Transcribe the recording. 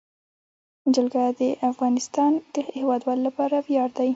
جلګه د افغانستان د هیوادوالو لپاره ویاړ دی.